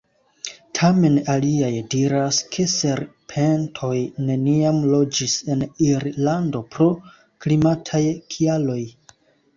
Tamen aliaj diras, ke serpentoj neniam loĝis en Irlando pro klimataj kialoj.